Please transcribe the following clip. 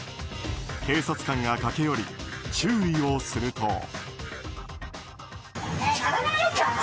警察官が駆け寄り注意をすると。